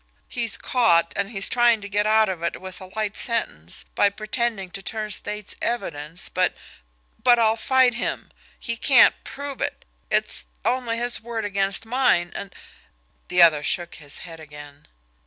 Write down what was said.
He's caught, and he's trying to get out of it with a light sentence by pretending to turn State's evidence, but but I'll fight him he can't prove it it's only his word against mine, and " The other shook his head again.